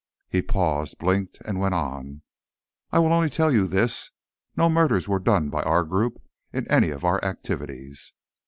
He paused, blinked, and went on, "I will only tell you this: no murders were done by our group in any of our activities."